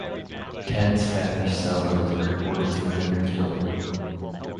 Ten Spanish settlers are reported to have been killed.